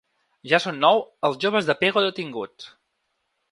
Ja són nou els joves de pego detinguts.